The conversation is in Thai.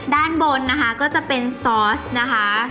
ด้านบนนะคะก็จะเป็นซอสนะคะ